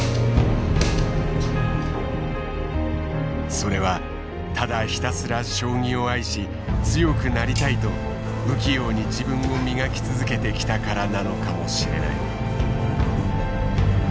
それはただひたすら将棋を愛し強くなりたいと不器用に自分を磨き続けてきたからなのかもしれない。